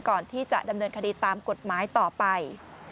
ก่อนที่จะดำเนินคดีตามกฎหมายต่อไป